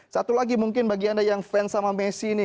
satu lagi mungkin bagi anda yang fans sama messi ini